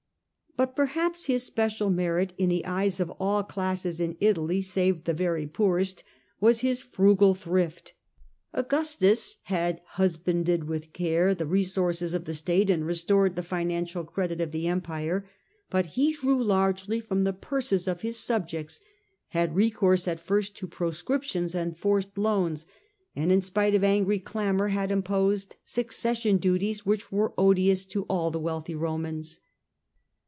But probably his special merit in the eyes of all classes in Italy save the very poorest was his frugal His frugal thrift. Aiigustus had husbanded with care thrift, the resources of the state and restored the financial credit of the empire ; but he drew largely from the purses of his subjects, had recourse at first to pro scriptions and forced loans, and in spite of angry clamour had imposed succession duties which were odious to all the wealthy Romans.